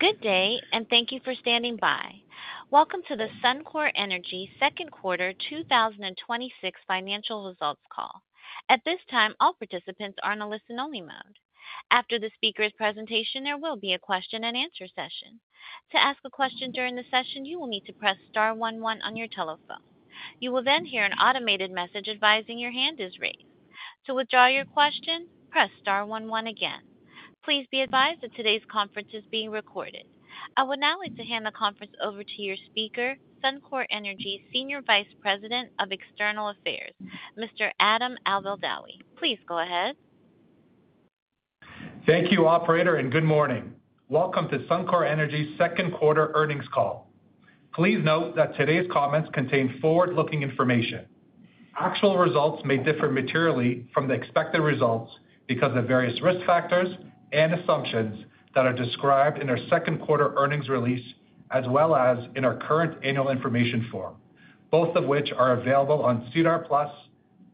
Good day, and thank you for standing by. Welcome to the Suncor Energy second quarter 2026 financial results call. At this time, all participants are in a listen-only mode. After the speaker's presentation, there will be a question-and-answer session. To ask a question during the session, you will need to press star one one on your telephone. You will then hear an automated message advising your hand is raised. To withdraw your question, press star one one again. Please be advised that today's conference is being recorded. I would now like to hand the conference over to your speaker, Suncor Energy Senior Vice President of External Affairs, Mr. Adam Albeldawi. Please go ahead. Thank you, operator, Good morning. Welcome to Suncor Energy's second quarter earnings call. Please note that today's comments contain forward-looking information. Actual results may differ materially from the expected results because of various risk factors and assumptions that are described in our second quarter earnings release, as well as in our current annual information form, both of which are available on SEDAR+,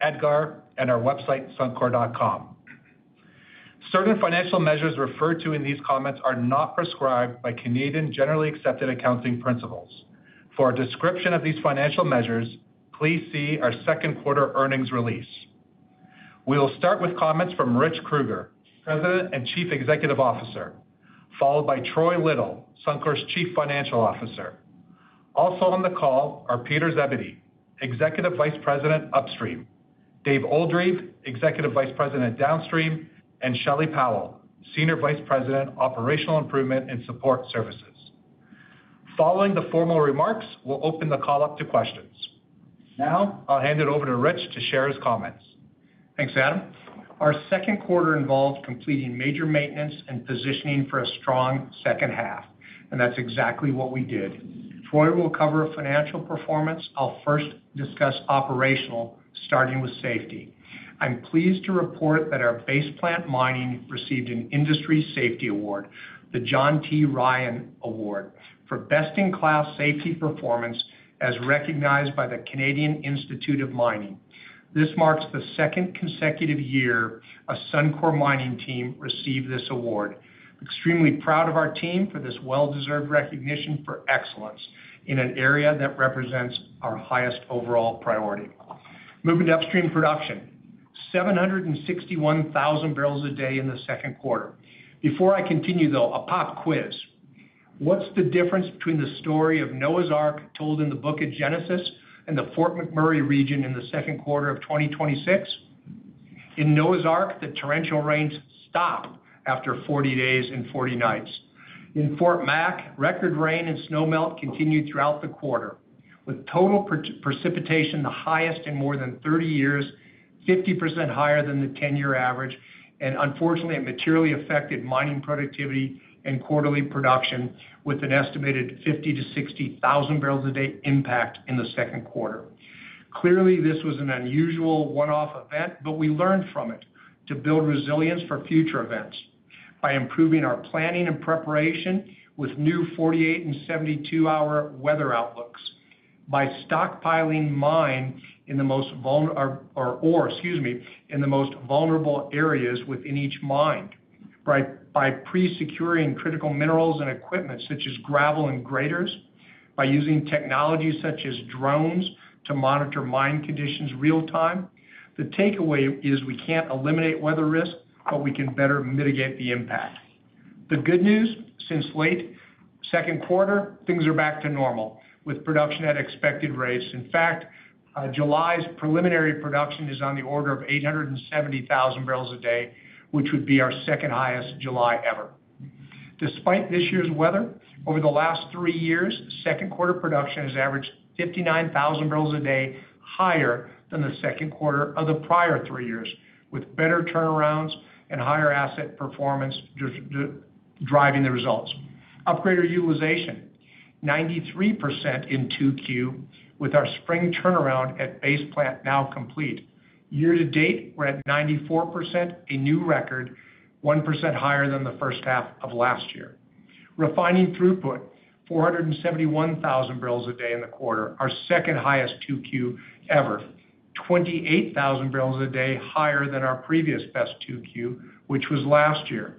EDGAR, and our website, suncor.com. Certain financial measures referred to in these comments are not prescribed by Canadian generally accepted accounting principles. For a description of these financial measures, please see our second quarter earnings release. We'll start with comments from Rich Kruger, President and Chief Executive Officer, followed by Troy Little, Suncor's Chief Financial Officer. Also on the call are Peter Zebedee, Executive Vice President, Upstream, Dave Oldreive, Executive Vice President, Downstream, and Shelley Powell, Senior Vice President, Operational Improvement and Support Services. Following the formal remarks, we'll open the call up to questions. I'll hand it over to Rich to share his comments. Thanks, Adam. Our second quarter involved completing major maintenance positioning for a strong second half, and that's exactly what we did. Troy will cover financial performance. I'll first discuss operational, starting with safety. I'm pleased to report that our base plant mining received an industry safety award, the John T. Ryan Trophy for best-in-class safety performance, as recognized by the Canadian Institute of Mining. This marks the second consecutive year a Suncor mining team received this award. Extremely proud of our team for this well-deserved recognition for excellence in an area that represents our highest overall priority. Moving to upstream production. 761,000 bbl a day in the second quarter. Before I continue, though, a pop quiz. What's the difference between the story of Noah's Ark told in the Book of Genesis and the Fort McMurray region in the second quarter of 2026? In Noah's Ark, the torrential rains stopped after 40 days and 40 nights. In Fort Mac, record rain and snow melt continued throughout the quarter, with total precipitation the highest in more than 30 years, 50% higher than the 10-year average. Unfortunately, it materially affected mining productivity and quarterly production with an estimated 50,000 bbl-60,000 bbl a day impact in the second quarter. Clearly, this was an unusual one-off event, but we learned from it to build resilience for future events by improving our planning and preparation with new 48- and 72-hour weather outlooks, by stockpiling ore in the most vulnerable areas within each mine, by pre-securing critical minerals and equipment such as gravel and graders, by using technology such as drones to monitor mine conditions real-time. The takeaway is we can't eliminate weather risk, but we can better mitigate the impact. The good news, since late second quarter, things are back to normal, with production at expected rates. In fact, July's preliminary production is on the order of 870,000 bbl a day, which would be our second highest July ever. Despite this year's weather, over the last three years, second quarter production has averaged 59,000 bbl a day higher than the second quarter of the prior three years, with better turnarounds and higher asset performance driving the results. Upgrader utilization, 93% in 2Q with our spring turnaround at base plant now complete. Year-to-date, we're at 94%, a new record, 1% higher than the first half of last year. Refining throughput, 471,000 bbl a day in the quarter, our second highest 2Q ever. 28,000 bbl a day higher than our previous best 2Q, which was last year.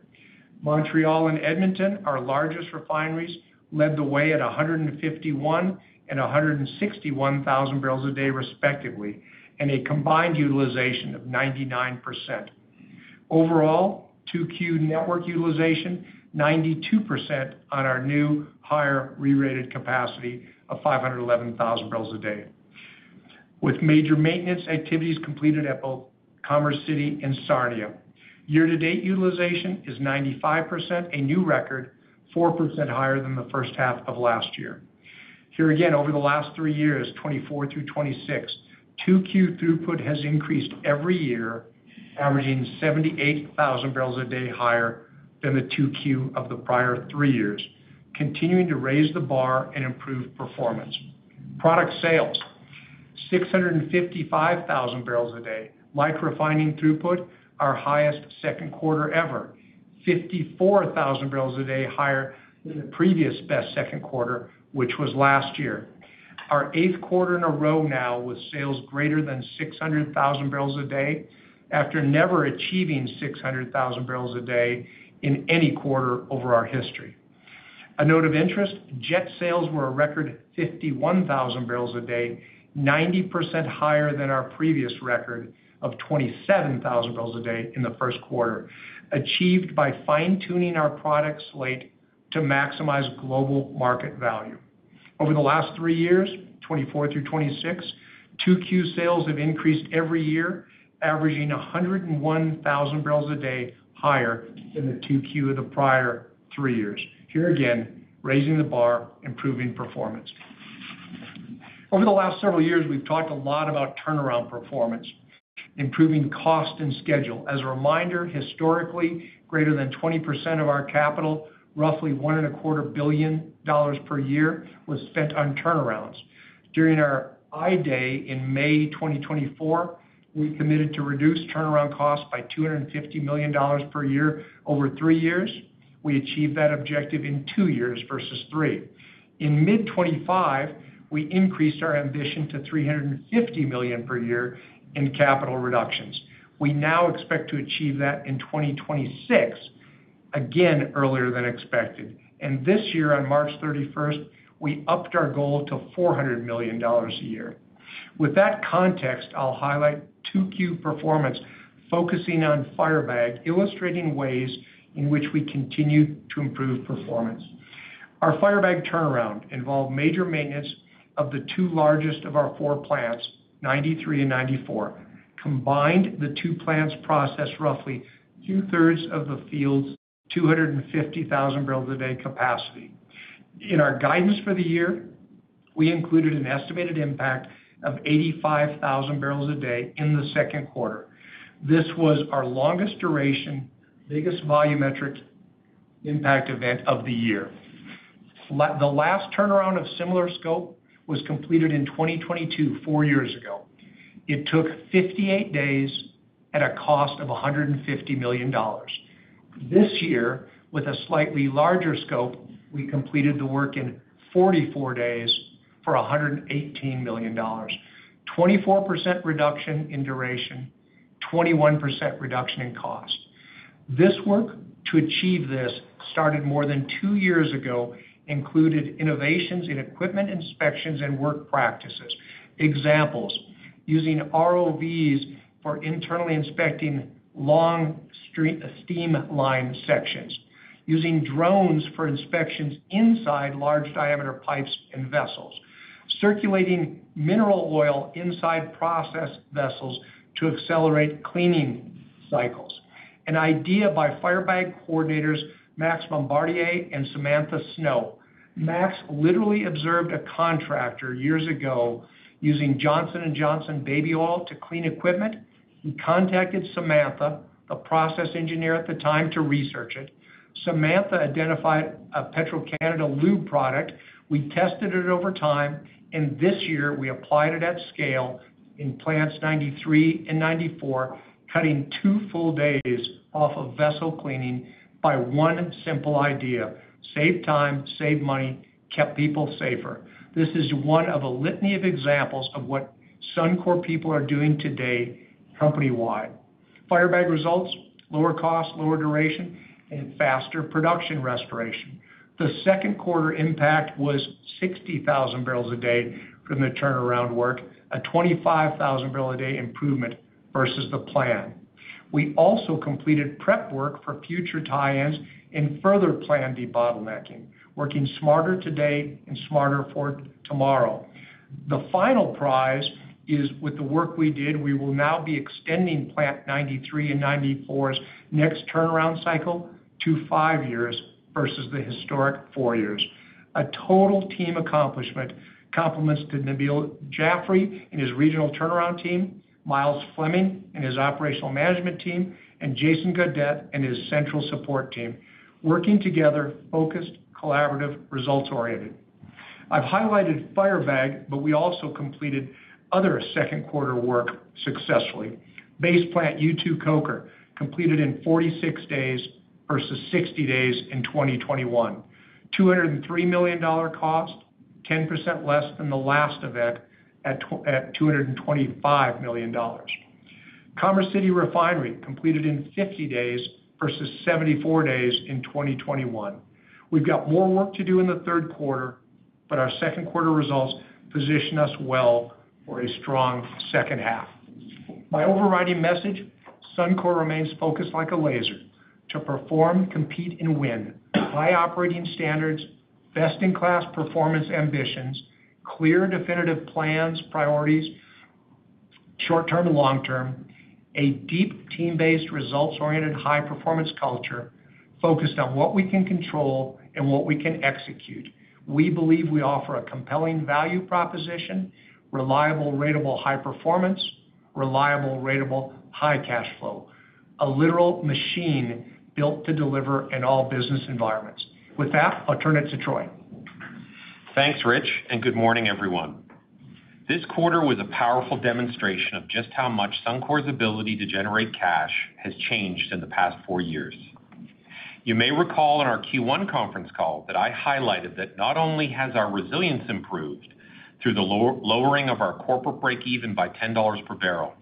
Montreal and Edmonton, our largest refineries, led the way at 151,000 and 161,000 bbl a day respectively, and a combined utilization of 99%. Overall, 2Q network utilization, 92% on our new higher rerated capacity of 511,000 bbl a day. With major maintenance activities completed at both Commerce City and Sarnia. Year-to-date utilization is 95%, a new record, 4% higher than the first half of last year. Here again, over the last three years, 2024 through 2026, 2Q throughput has increased every year, averaging 78,000 bbl a day higher than the 2Q of the prior three years, continuing to raise the bar and improve performance. Product sales, 655,000 bbl a day. Like refining throughput, our highest second quarter ever. 54,000 bbl a day higher than the previous best second quarter, which was last year. Our eighth quarter in a row now with sales greater than 600,000 bbl a day after never achieving 600,000 bbl a day in any quarter over our history. A note of interest, jet sales were a record 51,000 bbl a day, 90% higher than our previous record of 27,000 bbl a day in the first quarter, achieved by fine-tuning our product slate to maximize global market value. Over the last three years, 2024 through 2026, 2Q sales have increased every year, averaging 101,000 bbl a day higher than the 2Q of the prior three years. Here again, raising the bar, improving performance. Over the last several years, we've talked a lot about turnaround performance, improving cost and schedule. As a reminder, historically, greater than 20% of our capital, roughly 1.25 billion dollars per year, was spent on turnarounds. During our I Day in May 2024, we committed to reduce turnaround costs by 250 million dollars per year over three years. We achieved that objective in two years versus three. In mid 2025, we increased our ambition to 350 million per year in capital reductions. We now expect to achieve that in 2026, again, earlier than expected. This year, on March 31st, we upped our goal to 400 million dollars a year. With that context, I will highlight 2Q performance, focusing on Firebag, illustrating ways in which we continue to improve performance. Our Firebag turnaround involved major maintenance of the two largest of our four plants, 93 and 94. Combined, the two plants process roughly two-thirds of the field's 250,000 bbl a day capacity. In our guidance for the year, we included an estimated impact of 85,000 bbl a day in the second quarter. This was our longest duration, biggest volumetric impact event of the year. The last turnaround of similar scope was completed in 2022, four years ago. It took 58 days at a cost of 150 million dollars. This year, with a slightly larger scope, we completed the work in 44 days for 118 million dollars. 24% reduction in duration, 21% reduction in cost. This work, to achieve this, started more than two years ago, included innovations in equipment inspections and work practices. Examples, using ROVs for internally inspecting long steam line sections, using drones for inspections inside large diameter pipes and vessels, circulating mineral oil inside process vessels to accelerate cleaning cycles. An idea by Firebag coordinators, Max Bombardier and Samantha Snow. Max literally observed a contractor years ago using Johnson & Johnson baby oil to clean equipment. He contacted Samantha, a process engineer at the time, to research it. Samantha identified a Petro-Canada lube product. We tested it over time, this year we applied it at scale in plants 93 and 94, cutting two full days off of vessel cleaning by one simple idea. Save time, save money, kept people safer. This is one of a litany of examples of what Suncor people are doing today company-wide. Firebag results, lower cost, lower duration, and faster production restoration. The second quarter impact was 60,000 bbl a day from the turnaround work, a 25,000 bbl a day improvement versus the plan. We also completed prep work for future tie-ins and further planned debottlenecking, working smarter today and smarter for tomorrow. The final prize is, with the work we did, we will now be extending plant 93 and 94's next turnaround cycle to five years versus the historic four years. A total team accomplishment. Compliments to Nabil Jafri and his regional turnaround team, Miles Fleming and his operational management team, and Jason Gaudet and his central support team. Working together, focused, collaborative, results-oriented. I have highlighted Firebag, but we also completed other second quarter work successfully. Base plant U2 Coker, completed in 46 days versus 60 days in 2021. 203 million dollar cost, 10% less than the last event at 225 million dollars. Commerce City Refinery, completed in 50 days versus 74 days in 2021. We have got more work to do in the third quarter, our second quarter results position us well for a strong second half. My overriding message, Suncor remains focused like a laser to perform, compete, and win. High operating standards, best-in-class performance ambitions, clear and definitive plans, priorities, short-term and long-term, a deep team-based, results-oriented, high-performance culture focused on what we can control and what we can execute. We believe we offer a compelling value proposition, reliable, ratable, high performance, reliable, ratable, high cash flow. A literal machine built to deliver in all business environments. With that, I'll turn it to Troy. Thanks, Rich. Good morning, everyone. This quarter was a powerful demonstration of just how much Suncor's ability to generate cash has changed in the past four years. You may recall in our Q1 conference call that I highlighted that not only has our resilience improved through the lowering of our corporate breakeven by 10 dollars per barrel,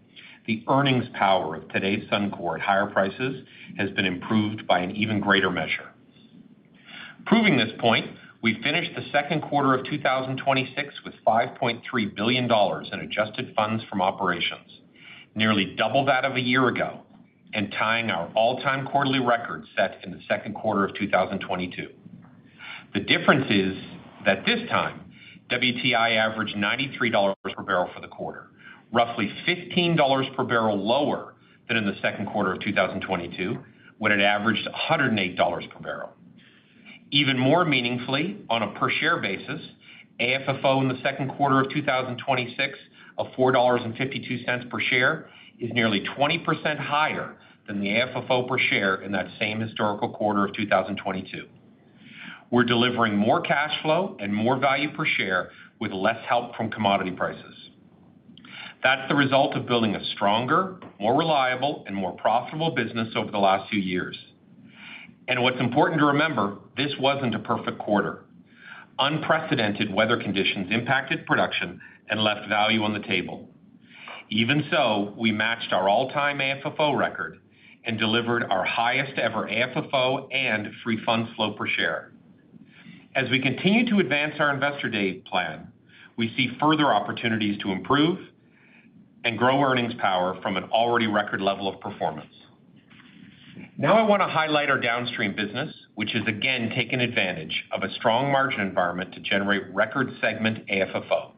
the earnings power of today's Suncor at higher prices has been improved by an even greater measure. Proving this point, we finished the second quarter of 2026 with 5.3 billion dollars in adjusted funds from operations, nearly double that of a year ago, and tying our all-time quarterly record set in the second quarter of 2022. The difference is that this time, WTI averaged 93 dollars per barrel for the quarter, roughly 15 dollars per barrel lower than in the second quarter of 2022, when it averaged 108 dollars per barrel. Even more meaningfully, on a per-share basis, AFFO in the second quarter of 2026 of 4.52 dollars per share is nearly 20% higher than the AFFO per share in that same historical quarter of 2022. We're delivering more cash flow and more value per share with less help from commodity prices. That's the result of building a stronger, more reliable, and more profitable business over the last few years. What's important to remember, this wasn't a perfect quarter. Unprecedented weather conditions impacted production and left value on the table. Even so, we matched our all-time AFFO record and delivered our highest-ever AFFO and free fund flow per share. As we continue to advance our Investor Day plan, we see further opportunities to improve and grow earnings power from an already record level of performance. Now I want to highlight our downstream business, which has again taken advantage of a strong margin environment to generate record segment AFFO.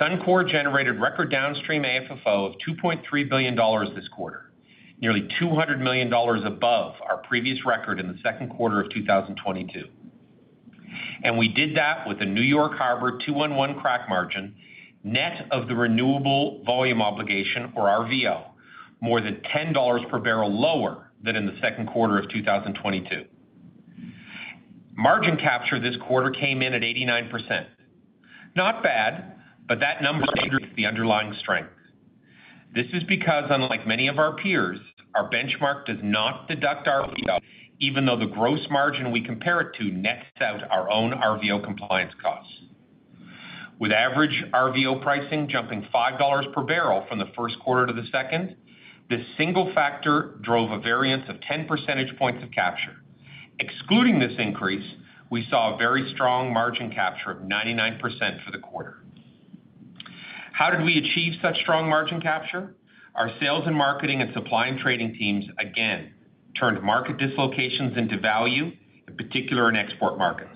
Suncor generated record downstream AFFO of 2.3 billion dollars this quarter, nearly 200 million dollars above our previous record in the second quarter of 2022. We did that with a New York Harbor 2-1-1 crack margin, net of the renewable volume obligation, or RVO, more than 10 dollars per barrel lower than in the second quarter of 2022. Margin capture this quarter came in at 89%. Not bad, but that number understates the underlying strength. This is because, unlike many of our peers, our benchmark does not deduct RVO, even though the gross margin we compare it to nets out our own RVO compliance costs. With average RVO pricing jumping 5 dollars per barrel from the first quarter to the second, this single factor drove a variance of 10 percentage points of capture. Excluding this increase, we saw a very strong margin capture of 99% for the quarter. How did we achieve such strong margin capture? Our sales and marketing and supply and trading teams again turned market dislocations into value, in particular in export markets.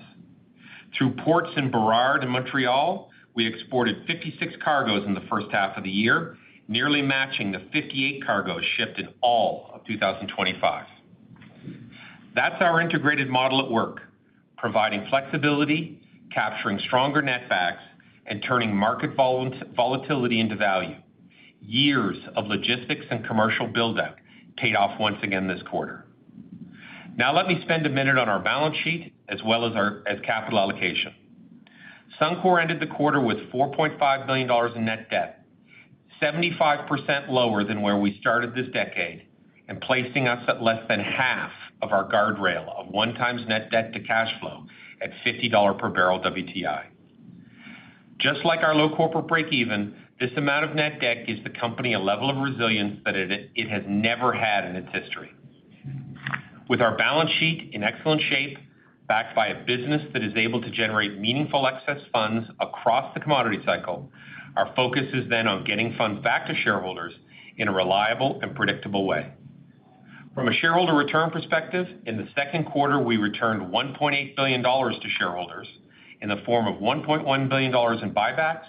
Through ports in Burrard and Montreal, we exported 56 cargoes in the first half of the year, nearly matching the 58 cargoes shipped in all of 2025. That's our integrated model at work, providing flexibility, capturing stronger net backs, and turning market volatility into value. Years of logistics and commercial build-out paid off once again this quarter. Let me spend a minute on our balance sheet as well as capital allocation. Suncor ended the quarter with 4.5 billion dollars in net debt, 75% lower than where we started this decade and placing us at less than half of our guardrail of 1x net debt to cash flow at $50 per barrel WTI. Just like our low corporate breakeven, this amount of net debt gives the company a level of resilience that it has never had in its history. With our balance sheet in excellent shape, backed by a business that is able to generate meaningful excess funds across the commodity cycle, our focus is then on getting funds back to shareholders in a reliable and predictable way. From a shareholder return perspective, in the second quarter, we returned 1.8 billion dollars to shareholders in the form of 1.1 billion dollars in buybacks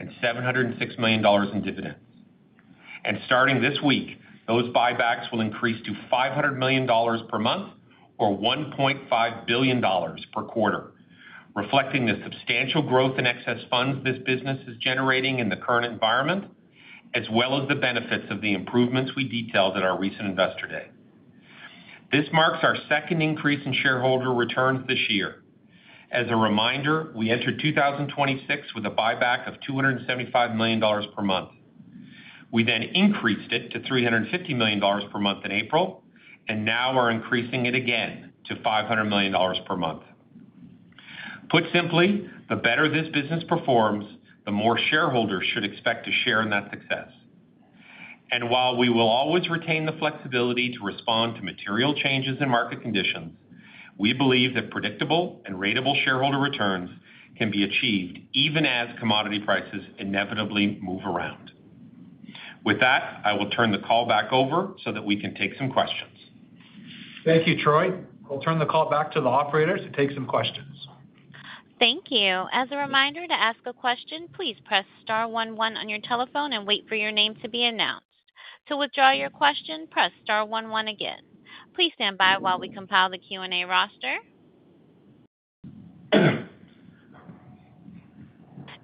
and 706 million dollars in dividends. Starting this week, those buybacks will increase to 500 million dollars per month or 1.5 billion dollars per quarter, reflecting the substantial growth in excess funds this business is generating in the current environment, as well as the benefits of the improvements we detailed at our recent Investor Day. This marks our second increase in shareholder returns this year. As a reminder, we entered 2026 with a buyback of 275 million dollars per month. We then increased it to 350 million dollars per month in April and now are increasing it again to 500 million dollars per month. Put simply, the better this business performs, the more shareholders should expect to share in that success. While we will always retain the flexibility to respond to material changes in market conditions, we believe that predictable and ratable shareholder returns can be achieved even as commodity prices inevitably move around. With that, I will turn the call back over so that we can take some questions. Thank you, Troy. I'll turn the call back to the operator to take some questions. Thank you. As a reminder to ask a question, please press star one one on your telephone and wait for your name to be announced. To withdraw your question, press star one one again. Please stand by while we compile the Q&A roster.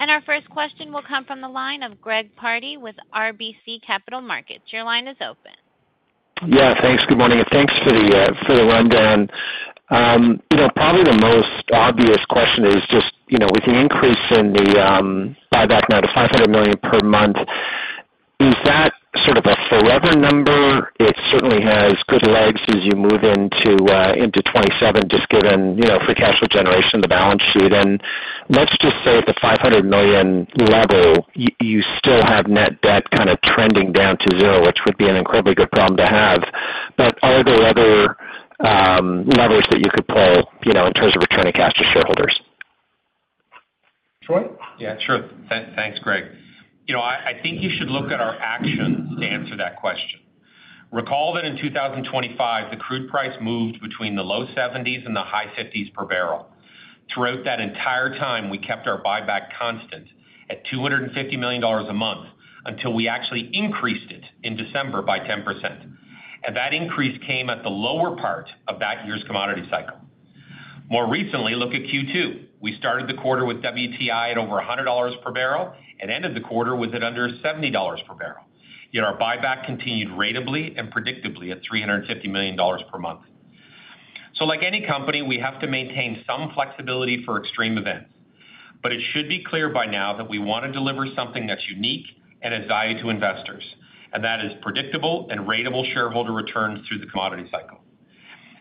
Our first question will come from the line of Greg Pardy with RBC Capital Markets. Your line is open. Yeah, thanks. Good morning, and thanks for the rundown. Probably the most obvious question is just with the increase in the buyback now to 500 million per month, is that sort of a forever number? It certainly has good legs as you move into 2027, just given free cash flow generation, the balance sheet. Let's just say at the 500 million level, you still have net debt kind of trending down to zero, which would be an incredibly good problem to have. Are there other levers that you could pull in terms of returning cash to shareholders? Troy? Yeah, sure. Thanks, Greg. I think you should look at our actions to answer that question. Recall that in 2025, the crude price moved between the low 70s and the high 50s per barrel. Throughout that entire time, we kept our buyback constant at $250 million a month until we actually increased it in December by 10%. That increase came at the lower part of that year's commodity cycle. More recently, look at Q2. We started the quarter with WTI at over $100 per barrel and ended the quarter with it under $70 per barrel. Yet our buyback continued ratably and predictably at $350 million per month. Like any company, we have to maintain some flexibility for extreme events. It should be clear by now that we want to deliver something that's unique and of value to investors, that is predictable and ratable shareholder returns through the commodity cycle.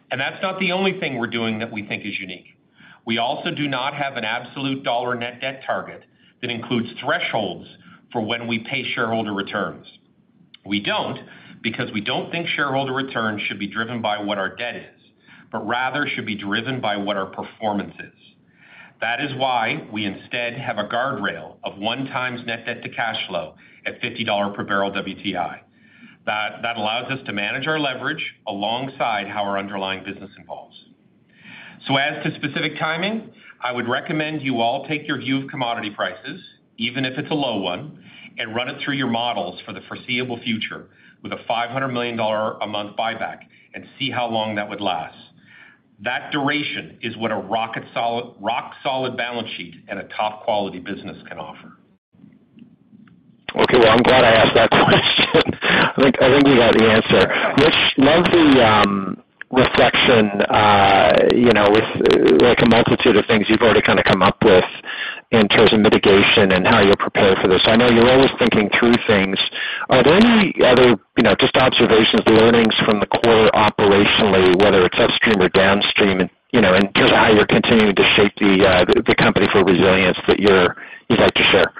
That's not the only thing we're doing that we think is unique. We also do not have an absolute dollar net debt target that includes thresholds for when we pay shareholder returns. We don't, because we don't think shareholder returns should be driven by what our debt is, but rather should be driven by what our performance is. That is why we instead have a guardrail of one times net debt to cash flow at $50 per barrel WTI. That allows us to manage our leverage alongside how our underlying business evolves. As to specific timing, I would recommend you all take your view of commodity prices, even if it's a low one, and run it through your models for the foreseeable future with a 500 million dollar a month buyback and see how long that would last. That duration is what a rock-solid balance sheet and a top-quality business can offer. I'm glad I asked that question. I think we got the answer, which loves the reflection with a multitude of things you've already kind of come up with in terms of mitigation and how you'll prepare for this. I know you're always thinking through things. Are there any other just observations, learnings from the quarter operationally, whether it's upstream or downstream, and just how you're continuing to shape the company for resilience that you'd like to share?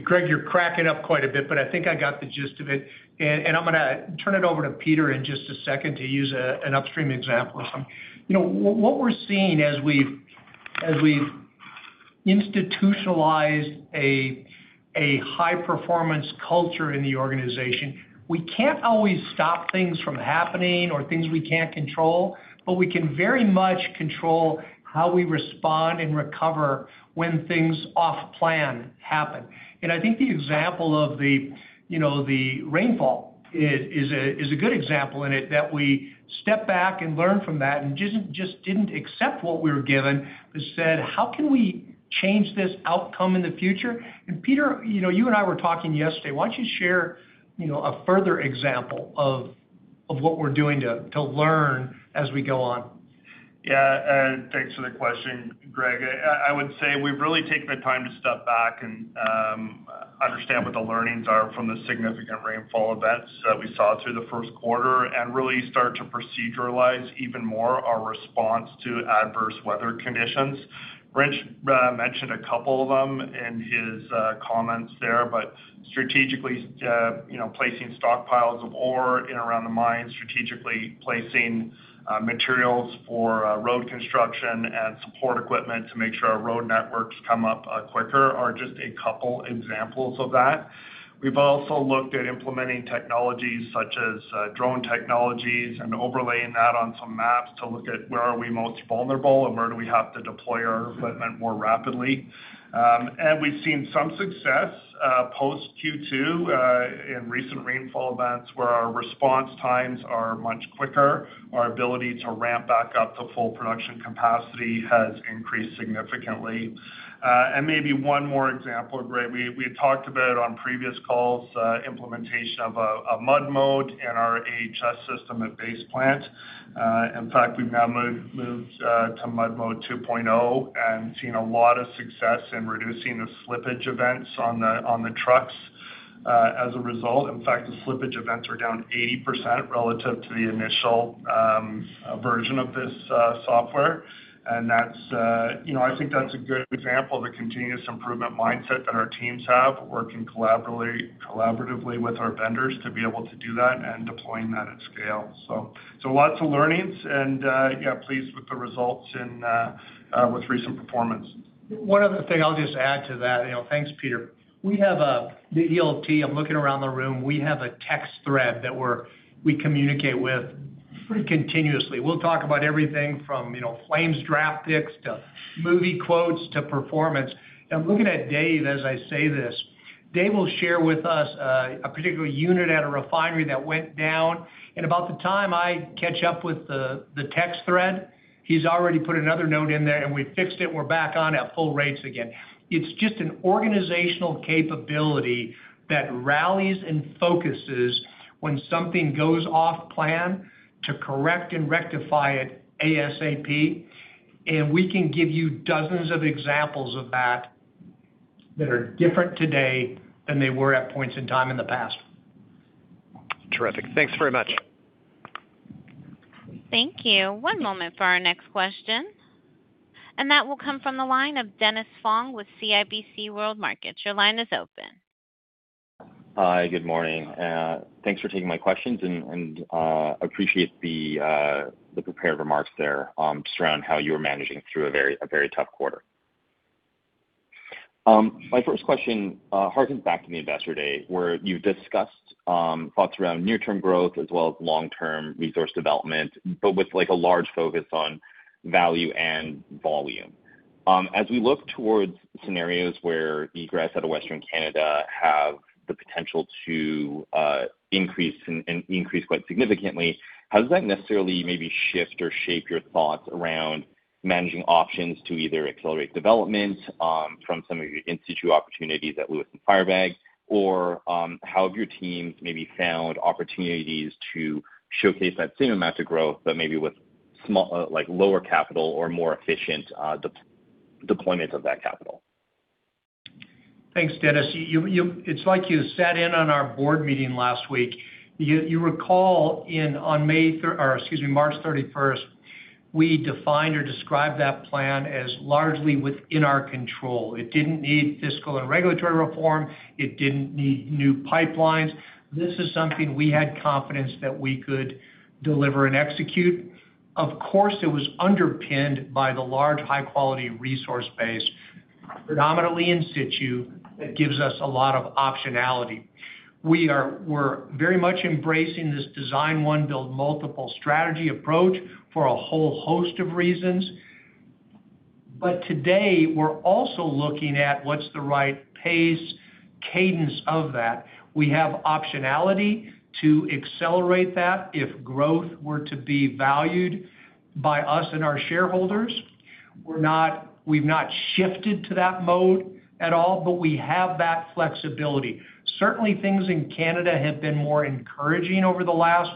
Greg, you're cracking up quite a bit, I think I got the gist of it, I'm going to turn it over to Peter in just a second to use an upstream example of some. What we're seeing as we've institutionalized a high-performance culture in the organization, we can't always stop things from happening or things we can't control, but we can very much control how we respond and recover when things off-plan happen. I think the example of the rainfall is a good example in it that we step back and learn from that and just didn't accept what we were given, but said, How can we change this outcome in the future? Peter, you and I were talking yesterday. Why don't you share a further example of what we're doing to learn as we go on? Yeah. Thanks for the question, Greg. I would say we've really taken the time to step back and understand what the learnings are from the significant rainfall events that we saw through the first quarter and really start to proceduralize even more our response to adverse weather conditions. Rich mentioned a couple of them in his comments there, but strategically, placing stockpiles of ore in and around the mine, strategically placing materials for road construction and support equipment to make sure our road networks come up quicker are just a couple examples of that. We've also looked at implementing technologies such as drone technologies and overlaying that on some maps to look at where are we most vulnerable and where do we have to deploy our equipment more rapidly. We've seen some success post Q2 in recent rainfall events where our response times are much quicker. Our ability to ramp back up to full production capacity has increased significantly. Maybe one more example, Greg, we had talked about on previous calls, implementation of a mud mode in our AHS system at base plant. In fact, we've now moved to mud mode 2.0 and seen a lot of success in reducing the slippage events on the trucks as a result. In fact, the slippage events are down 80% relative to the initial version of this software. I think that's a good example of the continuous improvement mindset that our teams have, working collaboratively with our vendors to be able to do that and deploying that at scale. Lots of learnings and, yeah, pleased with the results and with recent performance. One other thing I'll just add to that. Thanks, Peter. The ELT, I'm looking around the room. We have a text thread that we communicate with pretty continuously. We'll talk about everything from Flames draft picks to movie quotes to performance. I'm looking at Dave as I say this. Dave will share with us a particular unit at a refinery that went down, about the time I catch up with the text thread, he's already put another note in there, we fixed it. We're back on at full rates again. It's just an organizational capability that rallies and focuses when something goes off plan to correct and rectify it ASAP. We can give you dozens of examples of that that are different today than they were at points in time in the past. Terrific. Thanks very much. Thank you. One moment for our next question, that will come from the line of Dennis Fong with CIBC World Markets. Your line is open. Hi, good morning. Thanks for taking my questions. Appreciate the prepared remarks there just around how you're managing through a very tough quarter. My first question harkens back to the Investor Day where you discussed thoughts around near-term growth as well as long-term resource development, but with a large focus on value and volume. As we look towards scenarios where egress out of Western Canada have the potential to increase, and increase quite significantly, how does that necessarily maybe shift or shape your thoughts around managing options to either accelerate development from some of your in-situ opportunities at Lewis Firebag? How have your teams maybe found opportunities to showcase that same amount of growth, but maybe with lower capital or more efficient deployment of that capital? Thanks, Dennis. It's like you sat in on our board meeting last week. You recall on March 31st, we defined or described that plan as largely within our control. It didn't need fiscal and regulatory reform. It didn't need new pipelines. This is something we had confidence that we could deliver and execute. Of course, it was underpinned by the large, high-quality resource base, predominantly in situ, that gives us a lot of optionality. We're very much embracing this design one, build multiple strategy approach for a whole host of reasons. Today, we're also looking at what's the right pace, cadence of that. We have optionality to accelerate that if growth were to be valued by us and our shareholders. We've not shifted to that mode at all, but we have that flexibility. Certainly, things in Canada have been more encouraging over the last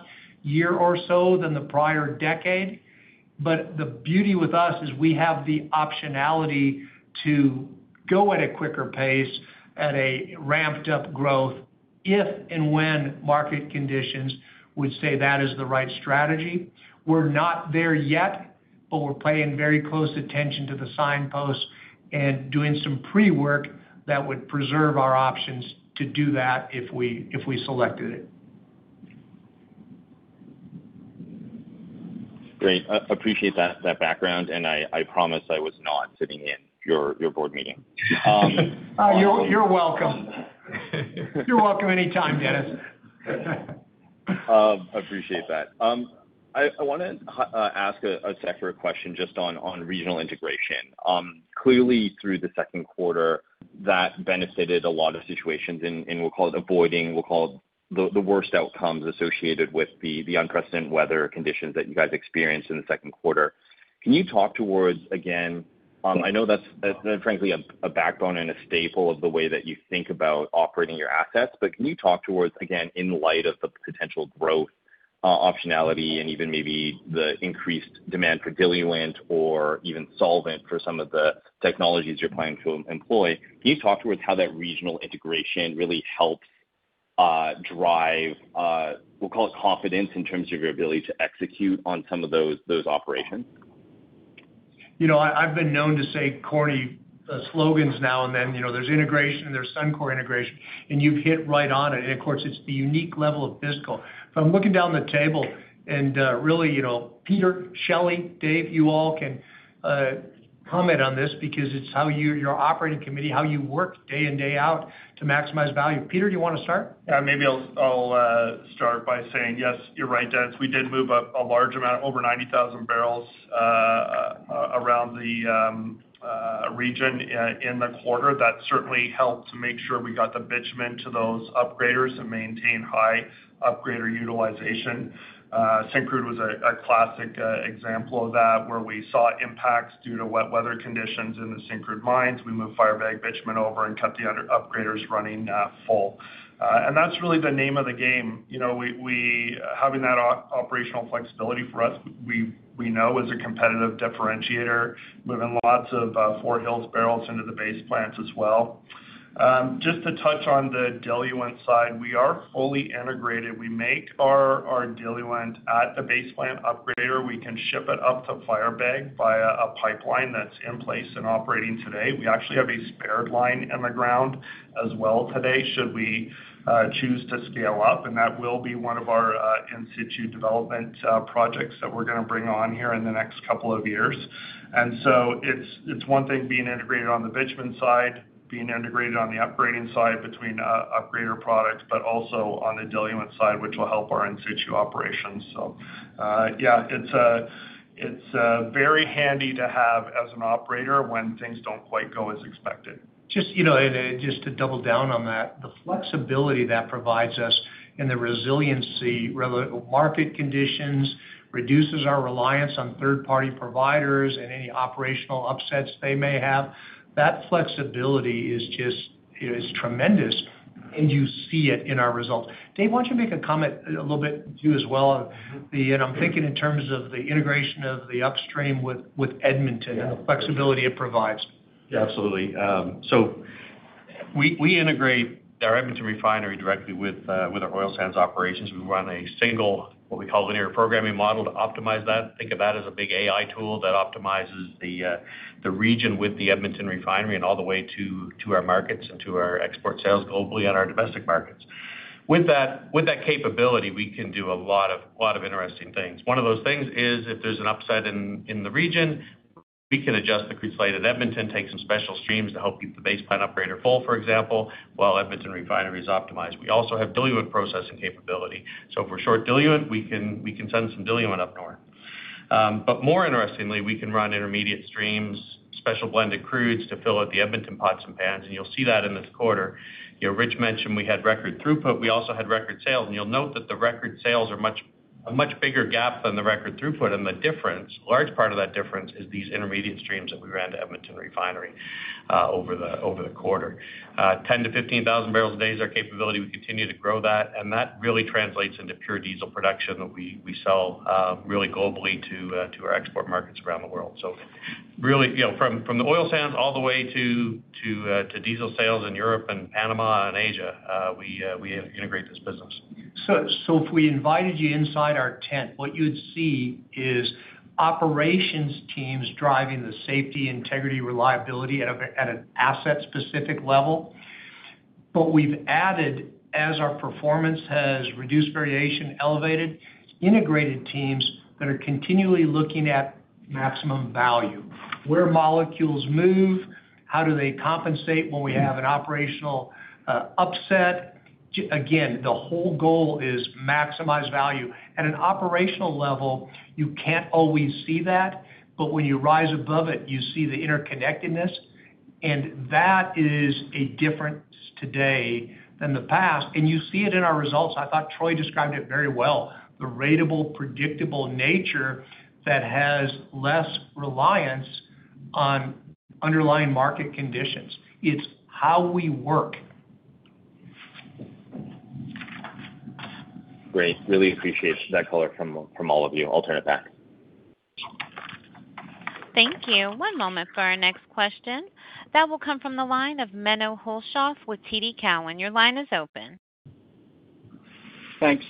year or so than the prior decade. The beauty with us is we have the optionality to go at a quicker pace, at a ramped-up growth if and when market conditions would say that is the right strategy. We're not there yet, but we're paying very close attention to the signposts and doing some pre-work that would preserve our options to do that if we selected it. Great. Appreciate that background, and I promise I was not sitting in your board meeting. You're welcome. You're welcome anytime, Dennis. Appreciate that. I want to ask a separate question just on regional integration. Clearly, through the second quarter, that benefited a lot of situations in, we'll call it avoiding the worst outcomes associated with the unprecedented weather conditions that you guys experienced in the second quarter. I know that's frankly a backbone and a staple of the way that you think about operating your assets. Can you talk towards, again, in light of the potential growth optionality and even maybe the increased demand for diluent or even solvent for some of the technologies you're planning to employ, can you talk towards how that regional integration really helped drive, we'll call it confidence in terms of your ability to execute on some of those operations? I've been known to say corny slogans now and then. There's integration, there's Suncor integration, and you've hit right on it. Of course, it's the unique level of fiscal. If I'm looking down the table and really, Peter, Shelley, Dave, you all can comment on this because it's how your operating committee, how you work day in, day out to maximize value. Peter, do you want to start? Yeah, maybe I'll start by saying yes, you're right, Dennis. We did move a large amount, over 90,000 bbl, around the region in the quarter. That certainly helped make sure we got the bitumen to those upgraders and maintain high upgrader utilization. Syncrude was a classic example of that, where we saw impacts due to wet weather conditions in the Syncrude mines. We moved Firebag bitumen over and kept the other upgraders running full. That's really the name of the game. Having that operational flexibility for us, we know is a competitive differentiator, moving lots of Fort Hills barrels into the base plants as well. Just to touch on the diluent side, we are fully integrated. We make our diluent at the base plant upgrader. We can ship it up to Firebag via a pipeline that's in place and operating today. We actually have a spare line in the ground as well today, should we choose to scale up, that will be one of our in situ development projects that we're going to bring on here in the next couple of years. It's one thing being integrated on the bitumen side, being integrated on the upgrading side between upgrader products, but also on the diluent side, which will help our in situ operations. Yeah, it's very handy to have as an operator when things don't quite go as expected. Just to double down on that, the flexibility that provides us and the resiliency, market conditions, reduces our reliance on third-party providers and any operational upsets they may have. That flexibility is just tremendous, and you see it in our results. Dave, why don't you make a comment a little bit too as well? I'm thinking in terms of the integration of the upstream with Edmonton and the flexibility it provides. Yeah, absolutely. We integrate our Edmonton refinery directly with our oil sands operations. We run a single, what we call linear programming model to optimize that. Think of that as a big AI tool that optimizes the region with the Edmonton refinery and all the way to our markets and to our export sales globally and our domestic markets. With that capability, we can do a lot of interesting things. One of those things is if there's an upset in the region, we can adjust the crude slate at Edmonton, take some special streams to help keep the base plant operator full, for example, while Edmonton Refinery is optimized. We also have diluent processing capability. For short diluent, we can send some diluent up north. More interestingly, we can run intermediate streams, special blended crudes to fill out the Edmonton pots and pans, and you'll see that in this quarter. Rich mentioned we had record throughput. We also had record sales, and you'll note that the record sales are a much bigger gap than the record throughput, and a large part of that difference is these intermediate streams that we ran to Edmonton Refinery over the quarter. 10,000 bbl-15,000 bbl a day is our capability. We continue to grow that, and that really translates into pure diesel production that we sell really globally to our export markets around the world. Really, from the oil sands all the way to diesel sales in Europe and Panama and Asia, we integrate this business. If we invited you inside our tent, what you would see is operations teams driving the safety, integrity, reliability at an asset-specific level. We've added, as our performance has reduced variation, elevated, integrated teams that are continually looking at maximum value. Where molecules move, how do they compensate when we have an operational upset? Again, the whole goal is maximize value. At an operational level, you can't always see that, but when you rise above it, you see the interconnectedness, and that is a difference today than the past, and you see it in our results. I thought Troy described it very well. The ratable, predictable nature that has less reliance on underlying market conditions. It's how we work. Great. Really appreciate that color from all of you. I'll turn it back. Thank you. One moment for our next question. That will come from the line of Menno Hulshof with TD Cowen. Your line is open. Thanks,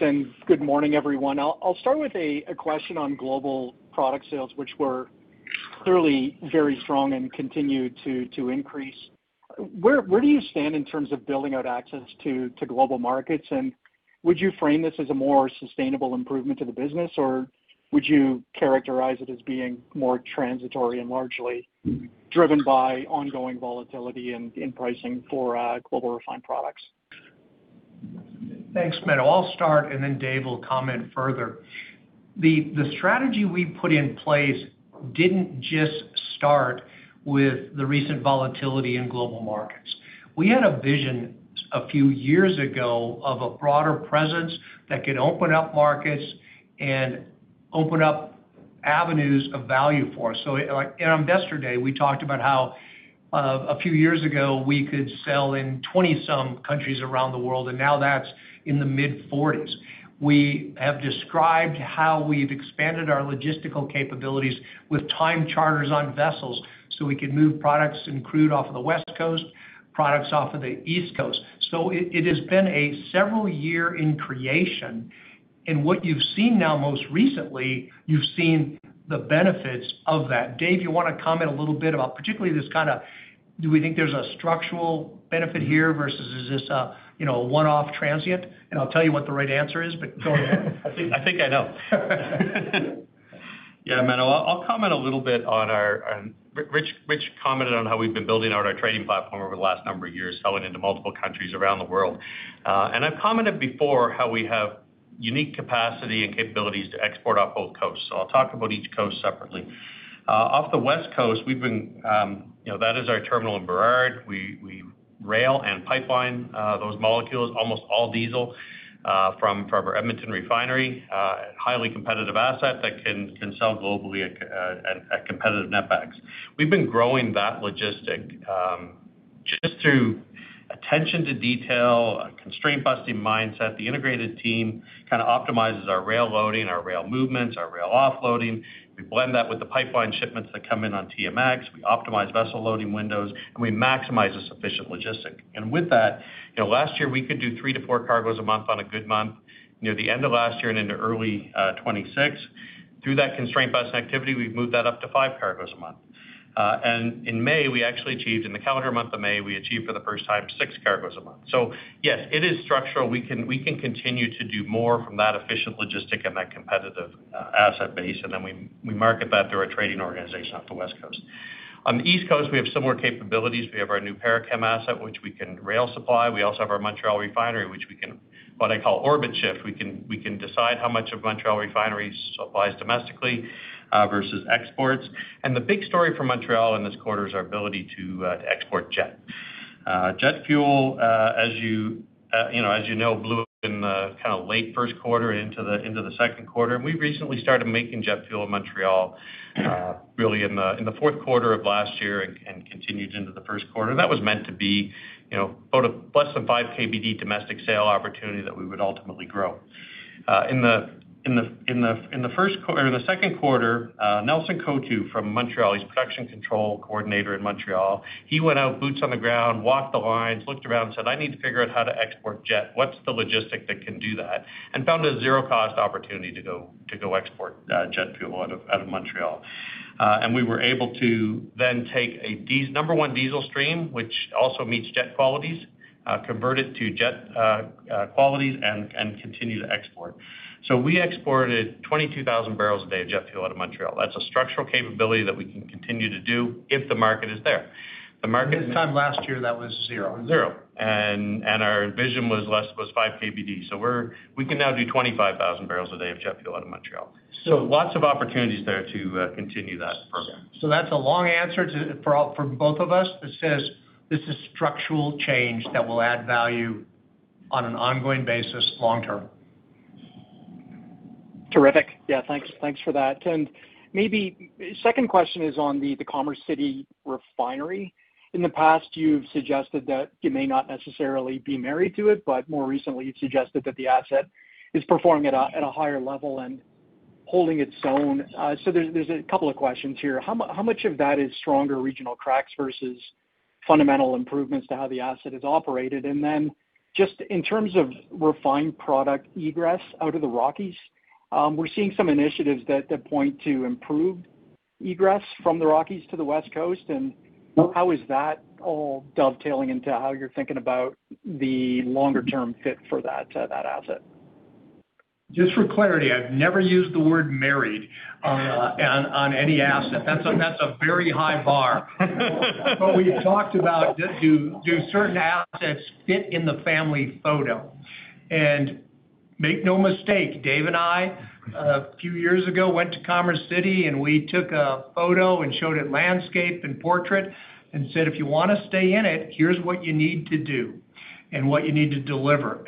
good morning, everyone. I'll start with a question on global product sales, which were clearly very strong and continue to increase. Where do you stand in terms of building out access to global markets? Would you frame this as a more sustainable improvement to the business, or would you characterize it as being more transitory and largely driven by ongoing volatility in pricing for global refined products? Thanks, Menno. I'll start, Dave will comment further. The strategy we put in place didn't just start with the recent volatility in global markets. We had a vision a few years ago of a broader presence that could open up markets and open up avenues of value for us. In our Investor Day, we talked about how a few years ago, we could sell in 20-some countries around the world, now that's in the mid-40s. We have described how we've expanded our logistical capabilities with time charters on vessels so we could move products and crude off of the West Coast, products off of the East Coast. It has been a several year in creation, what you've seen now most recently, you've seen the benefits of that. Dave, you want to comment a little bit about particularly this kind of, do we think there's a structural benefit here versus is this a one-off transient? I'll tell you what the right answer is, go ahead. I think I know. Menno, I'll comment a little bit on our Rich commented on how we've been building out our trading platform over the last number of years, selling into multiple countries around the world. I've commented before how we have unique capacity and capabilities to export off both coasts. I'll talk about each coast separately. Off the West Coast, that is our terminal in Burrard. We rail and pipeline those molecules, almost all diesel, from our Edmonton Refinery, a highly competitive asset that can sell globally at competitive net backs. We've been growing that logistic just through attention to detail, a constraint-busting mindset. The integrated team kind of optimizes our rail loading, our rail movements, our rail offloading. We blend that with the pipeline shipments that come in on TMX. We optimize vessel loading windows, we maximize this efficient logistic. With that, last year, we could do three to four cargoes a month on a good month. Near the end of last year and into early 2026. Through that constraint-busting activity, we've moved that up to five cargoes a month. In May, we actually achieved, in the calendar month of May, we achieved for the first time six cargoes a month. Yes, it is structural. We can continue to do more from that efficient logistic and that competitive asset base, and then we market that through our trading organization off the West Coast. On the East Coast, we have similar capabilities. We have our new Parachem asset, which we can rail supply. We also have our Montreal Refinery, which we can, what I call orbit shift. We can decide how much of Montreal Refinery supplies domestically versus exports. The big story for Montreal in this quarter is our ability to export jet. Jet fuel, as you know, blew up in the late first quarter into the second quarter, and we recently started making jet fuel in Montreal really in the fourth quarter of last year and continued into the first quarter, and that was meant to be less than five KBD domestic sale opportunity that we would ultimately grow. In the second quarter, Nelson Cotu from Montreal, he's Production Control Coordinator in Montreal. He went out, boots on the ground, walked the lines, looked around and said, I need to figure out how to export jet. What's the logistic that can do that? Found a zero-cost opportunity to go export jet fuel out of Montreal. We were able to then take a number one diesel stream, which also meets jet qualities, convert it to jet qualities, and continue to export. We exported 22,000 bbl a day of jet fuel out of Montreal. That's a structural capability that we can continue to do if the market is there. This time last year, that was zero. Zero. Our envision was 5 KBD. We can now do 25,000 bbl a day of jet fuel out of Montreal. Lots of opportunities there to continue that program. That's a long answer from both of us that says this is structural change that will add value on an ongoing basis long-term. Terrific. Yeah, thanks for that. Maybe second question is on the Commerce City refinery. In the past, you've suggested that you may not necessarily be married to it, but more recently you've suggested that the asset is performing at a higher level and holding its own. There's a couple of questions here. How much of that is stronger regional cracks versus fundamental improvements to how the asset is operated? Just in terms of refined product egress out of the Rockies, we're seeing some initiatives that point to improved egress from the Rockies to the West Coast, and how is that all dovetailing into how you're thinking about the longer-term fit for that asset? Just for clarity, I've never used the word married on any asset. That's a very high bar. We've talked about do certain assets fit in the family photo? Make no mistake, Dave and I, a few years ago, went to Commerce City, and we took a photo and showed it landscape and portrait and said, If you want to stay in it, here's what you need to do and what you need to deliver.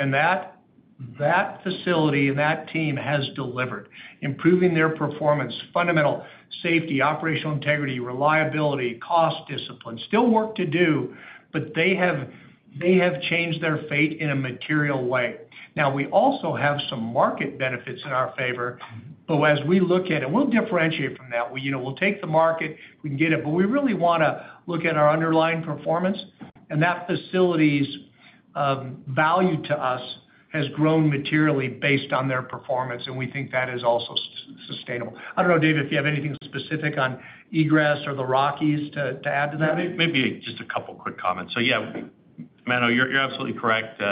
That facility and that team has delivered, improving their performance, fundamental safety, operational integrity, reliability, cost discipline. Still work to do, but they have changed their fate in a material way. Now, we also have some market benefits in our favor. As we look at it, we'll differentiate from that. We'll take the market, we can get it, but we really want to look at our underlying performance. That facility's value to us has grown materially based on their performance, and we think that is also sustainable. I don't know, Dave, if you have anything specific on egress or the Rockies to add to that? Maybe just a couple quick comments. Yeah, Menno, you're absolutely correct.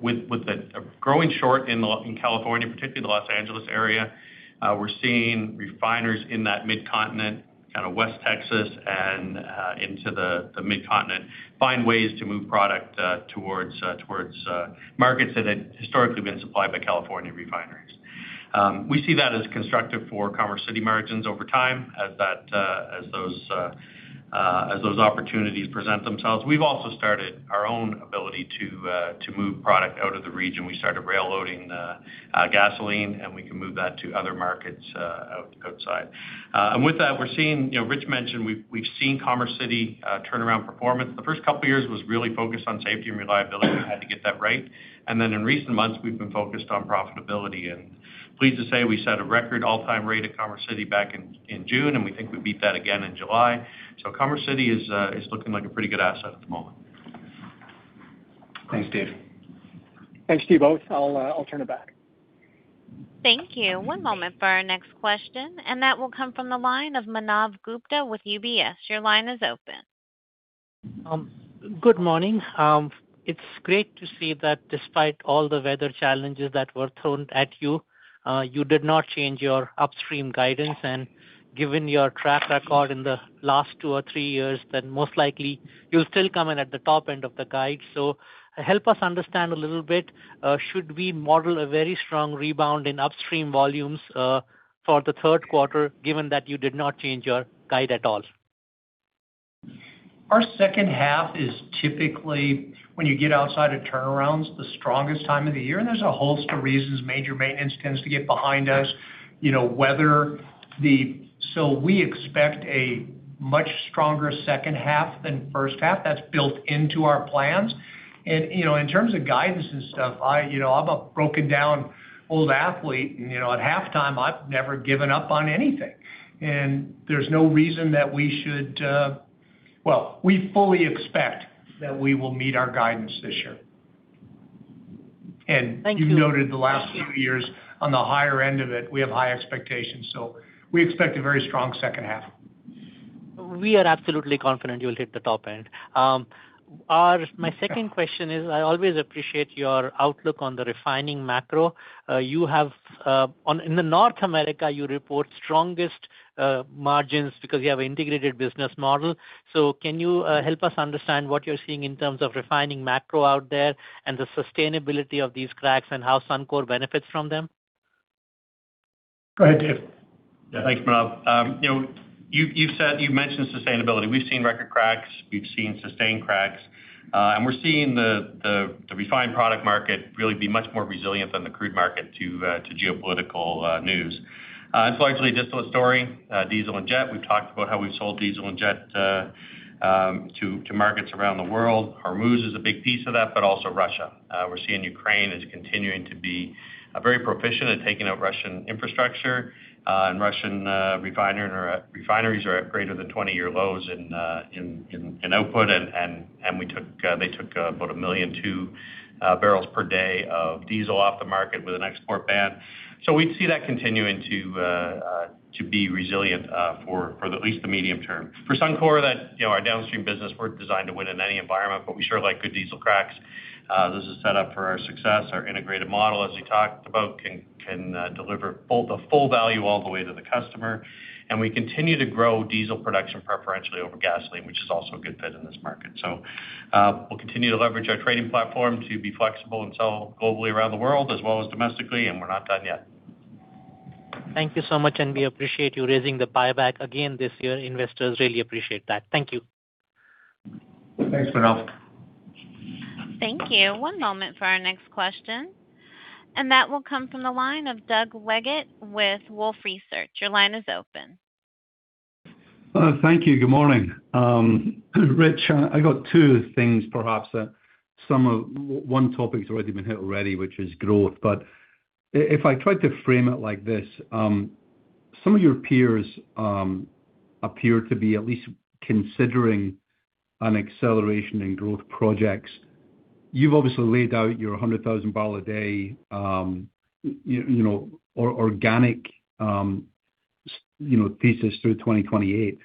With the growing short in California, particularly the Los Angeles area, we're seeing refiners in that mid-continent, kind of West Texas and into the mid-continent, find ways to move product towards markets that had historically been supplied by California refineries. We see that as constructive for Commerce City margins over time as those opportunities present themselves. We've also started our own ability to move product out of the region. We started rail loading gasoline, and we can move that to other markets outside. With that, Rich mentioned we've seen Commerce City turnaround performance. The first couple of years was really focused on safety and reliability. We had to get that right. Then in recent months, we've been focused on profitability. Pleased to say, we set a record all-time rate at Commerce City back in June, and we think we beat that again in July. Commerce City is looking like a pretty good asset at the moment. Thanks, Dave. Thanks to you both. I'll turn it back. Thank you. One moment for our next question. That will come from the line of Manav Gupta with UBS. Your line is open. Good morning. It's great to see that despite all the weather challenges that were thrown at you did not change your upstream guidance. Given your track record in the last two or three years, then most likely you'll still come in at the top end of the guide. Help us understand a little bit, should we model a very strong rebound in upstream volumes for the third quarter, given that you did not change your guide at all? Our second half is typically, when you get outside of turnarounds, the strongest time of the year. There's a host of reasons. Major maintenance tends to get behind us, weather. We expect a much stronger second half than first half. That's built into our plans. In terms of guidance and stuff, I'm a broken-down old athlete and at halftime, I've never given up on anything. There's no reason that we should. Well, we fully expect that we will meet our guidance this year. Thank you. You've noted the last few years, on the higher end of it, we have high expectations. We expect a very strong second half. We are absolutely confident you'll hit the top end. Okay. My second question is, I always appreciate your outlook on the refining macro. In the North America, you report strongest margins because you have an integrated business model. Can you help us understand what you're seeing in terms of refining macro out there and the sustainability of these cracks and how Suncor benefits from them? Go ahead, Dave. Yeah. Thanks, Manav. You've mentioned sustainability. We've seen record cracks, we've seen sustained cracks. We're seeing the refined product market really be much more resilient than the crude market to geopolitical news. It's largely a distillate story. Diesel and jet, we've talked about how we've sold diesel and jet to markets around the world. Hormuz is a big piece of that, but also Russia. We're seeing Ukraine is continuing to be very proficient at taking out Russian infrastructure. Russian refineries are at greater than 20-year lows in output. They took about 1.2 million barrels per day of diesel off the market with an export ban. We'd see that continuing to be resilient for at least the medium term. For Suncor, our downstream business, we're designed to win in any environment, but we sure like good diesel cracks. This is set up for our success. Our integrated model, as you talked about, can deliver the full value all the way to the customer. We continue to grow diesel production preferentially over gasoline, which is also a good fit in this market. We'll continue to leverage our trading platform to be flexible and sell globally around the world as well as domestically. We're not done yet. Thank you so much. We appreciate you raising the buyback again this year. Investors really appreciate that. Thank you. Thanks, Manav. Thank you. One moment for our next question. That will come from the line of Doug Leggate with Wolfe Research. Your line is open. Thank you. Good morning. Rich, I got two things perhaps that one topic's already been hit already, which is growth. If I tried to frame it like this, some of your peers appear to be at least considering an acceleration in growth projects. You've obviously laid out your 100,000 bbl a day organic thesis through 2028.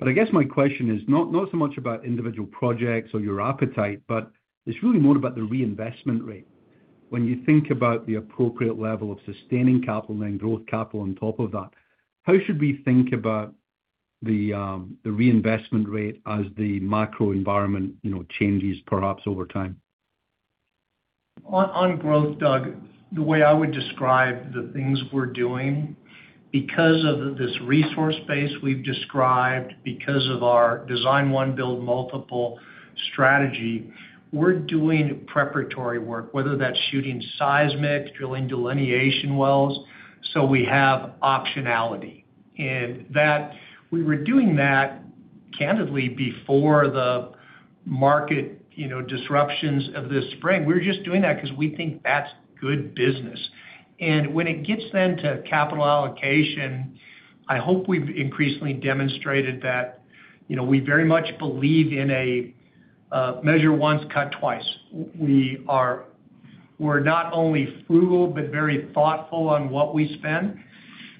I guess my question is not so much about individual projects or your appetite, but it's really more about the reinvestment rate. When you think about the appropriate level of sustaining capital and then growth capital on top of that, how should we think about the reinvestment rate as the macro environment changes perhaps over time? On growth, Doug, the way I would describe the things we're doing, because of this resource base we've described, because of our design one, build multiple strategy, we're doing preparatory work, whether that's shooting seismic, drilling delineation wells, so we have optionality. We were doing that, candidly, before the market disruptions of this spring. We were just doing that because we think that's good business. When it gets then to capital allocation, I hope we've increasingly demonstrated that we very much believe in a measure once, cut twice. We're not only frugal but very thoughtful on what we spend.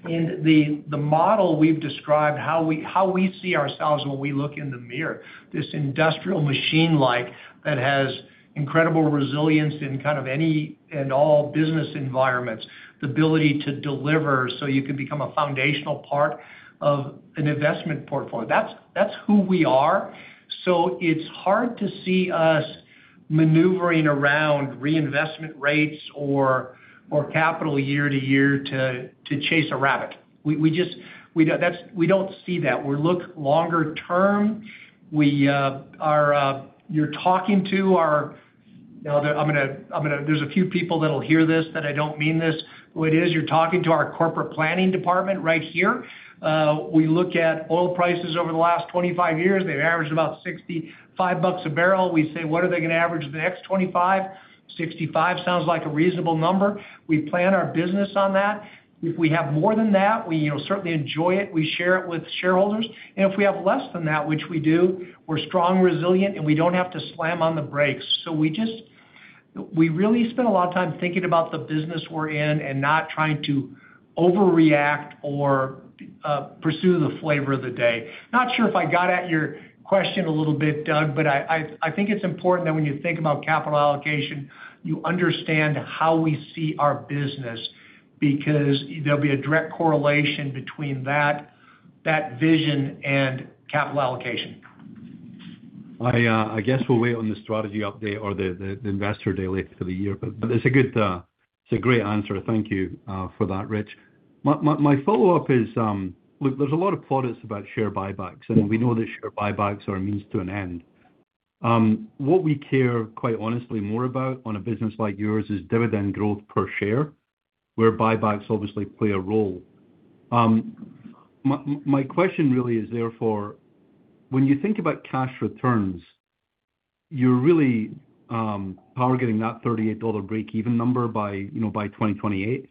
The model we've described, how we see ourselves when we look in the mirror, this industrial machine-like that has incredible resilience in kind of any and all business environments. The ability to deliver so you can become a foundational part of an investment portfolio. That's who we are. It's hard to see us maneuvering around reinvestment rates or capital year to year to chase a rabbit. We don't see that. We look longer term. There's a few people that'll hear this that I don't mean this the way it is. You're talking to our corporate planning department right here. We look at oil prices over the last 25 years, they've averaged about 65 bucks a barrel. We say, What are they going to average the next 25? 65 sounds like a reasonable number. We plan our business on that. If we have more than that, we certainly enjoy it. We share it with shareholders. If we have less than that, which we do, we're strong, resilient, and we don't have to slam on the brakes. We really spend a lot of time thinking about the business we're in and not trying to overreact or pursue the flavor of the day. Not sure if I got at your question a little bit, Doug, but I think it's important that when you think about capital allocation, you understand how we see our business, because there'll be a direct correlation between that vision and capital allocation. I guess we'll wait on the strategy update or the Investor Day later for the year, but it's a great answer. Thank you for that, Rich. My follow-up is, look, there's a lot of plaudits about share buybacks, and we know that share buybacks are a means to an end. What we care, quite honestly, more about on a business like yours is dividend growth per share, where buybacks obviously play a role. My question really is therefore, when you think about cash returns, you're really targeting that 38 dollar breakeven number by 2028.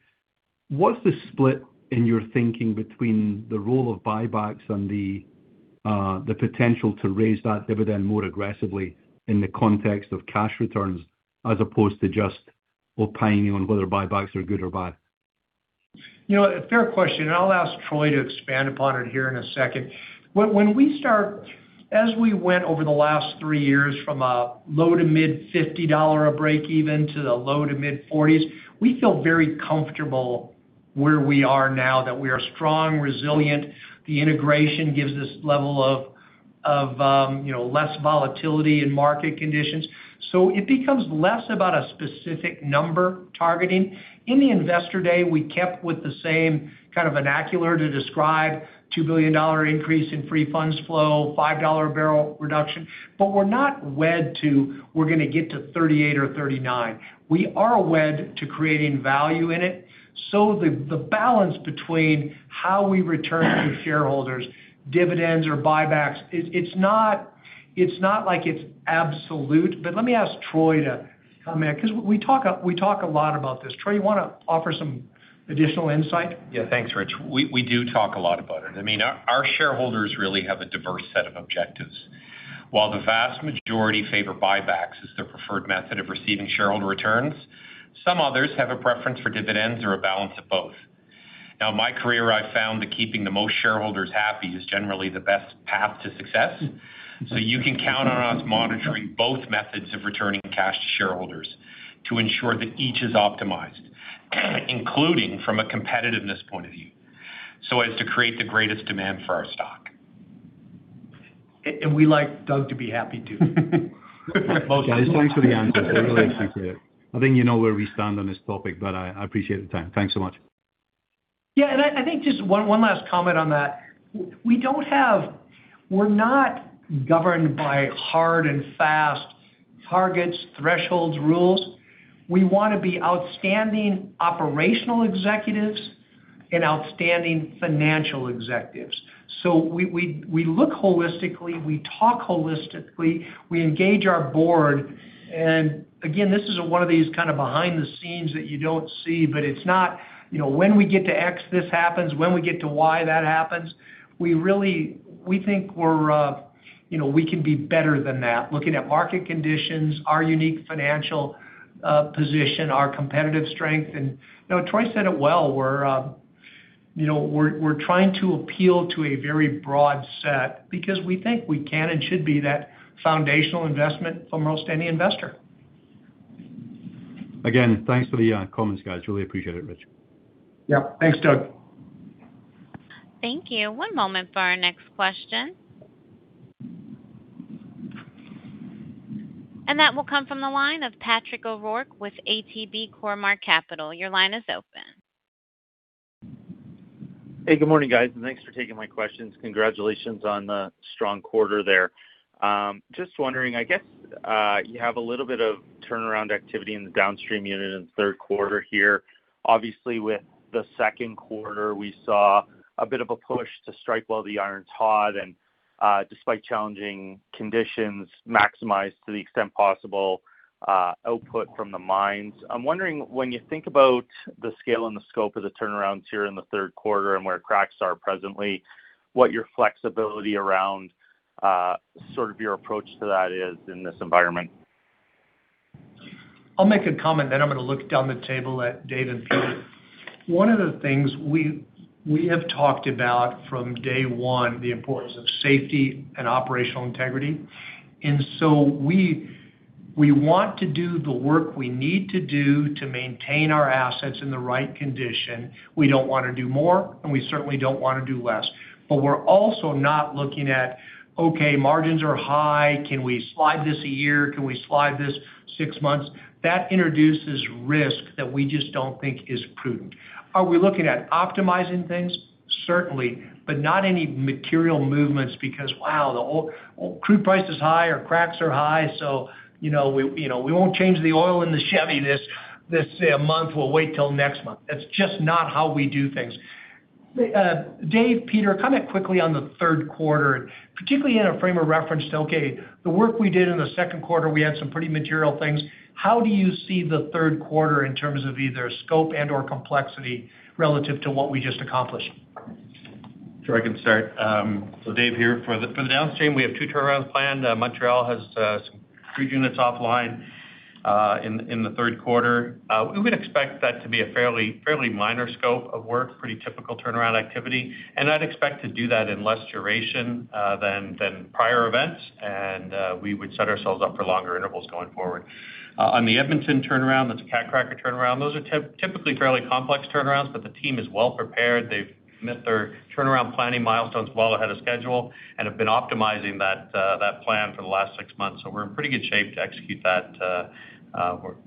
What's the split in your thinking between the role of buybacks and the potential to raise that dividend more aggressively in the context of cash returns as opposed to just opining on whether buybacks are good or bad? Fair question, I'll ask Troy to expand upon it here in a second. As we went over the last 3 years from a low to mid 50 dollar a breakeven to the low to mid 40s, we feel very comfortable where we are now, that we are strong, resilient. The integration gives us level of less volatility in market conditions. It becomes less about a specific number targeting. In the Investor Day, we kept with the same kind of vernacular to describe a 2 billion dollar increase in free funds flow, 5 dollar a barrel reduction. We're not wed to, we're going to get to 38 or 39. We are wed to creating value in it. The balance between how we return to shareholders, dividends or buybacks, it's not like it's absolute, but let me ask Troy to come in because we talk a lot about this. Troy, you want to offer some additional insight? Yeah. Thanks, Rich. We do talk a lot about it. Our shareholders really have a diverse set of objectives. While the vast majority favor buybacks as their preferred method of receiving shareholder returns, some others have a preference for dividends or a balance of both. Now, in my career, I've found that keeping the most shareholders happy is generally the best path to success. You can count on us monitoring both methods of returning cash to shareholders to ensure that each is optimized, including from a competitiveness point of view, so as to create the greatest demand for our stock. We like Doug to be happy, too. Most important. Yeah. Thanks for the answer. I really appreciate it. I think you know where we stand on this topic. I appreciate the time. Thanks so much. Yeah. I think just one last comment on that. We're not governed by hard and fast targets, thresholds, rules. We want to be outstanding operational executives and outstanding financial executives. We look holistically, we talk holistically, we engage our board. Again, this is one of these kind of behind-the-scenes that you don't see. It's not when we get to X, this happens. When we get to Y, that happens. We think we can be better than that, looking at market conditions, our unique financial position, our competitive strength. Troy said it well. We're trying to appeal to a very broad set because we think we can and should be that foundational investment for most any investor. Again, thanks for the comments, guys. Really appreciate it, Rich. Yep. Thanks, Doug. Thank you. One moment for our next question. That will come from the line of Patrick O'Rourke with ATB Capital Markets. Your line is open. Hey, good morning, guys. Thanks for taking my questions. Congratulations on the strong quarter there. Just wondering, I guess, you have a little bit of turnaround activity in the downstream unit in the third quarter here. Obviously, with the second quarter, we saw a bit of a push to strike while the iron's hot and, despite challenging conditions, maximize to the extent possible output from the mines. I'm wondering, when you think about the scale and the scope of the turnarounds here in the third quarter and where cracks are presently, what your flexibility around sort of your approach to that is in this environment? I'll make a comment, then I'm going to look down the table at Dave and Peter. One of the things we have talked about from day one, the importance of safety and operational integrity. We want to do the work we need to do to maintain our assets in the right condition. We don't want to do more, and we certainly don't want to do less. We're also not looking at, okay, margins are high. Can we slide this a year? Can we slide this six months? That introduces risk that we just don't think is prudent. Are we looking at optimizing things? Certainly, but not any material movements because, wow, the crude price is high or cracks are high. We won't change the oil in the Chevy this month. We'll wait till next month. That's just not how we do things. Dave, Peter, comment quickly on the third quarter, particularly in a frame of reference to, okay, the work we did in the second quarter, we had some pretty material things. How do you see the third quarter in terms of either scope and/or complexity relative to what we just accomplished? Dave here. For the downstream, we have two turnarounds planned. Montreal has three units offline in the third quarter. We would expect that to be a fairly minor scope of work, pretty typical turnaround activity, and I'd expect to do that in less duration than prior events, and we would set ourselves up for longer intervals going forward. On the Edmonton turnaround, that's a cat cracker turnaround. Those are typically fairly complex turnarounds, but the team is well prepared. They've met their turnaround planning milestones well ahead of schedule and have been optimizing that plan for the last six months. We're in pretty good shape to execute that.